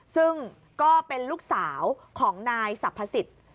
ซึ่งก็เป็นลูกสาวของนายสรรพสิทธิ์